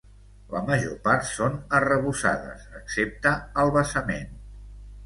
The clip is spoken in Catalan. La major part són arrebossades excepte al basament.